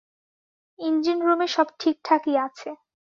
Engine রুমে সব ঠিকঠাকই আছে।